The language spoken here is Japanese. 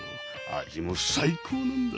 味も最高なんだ。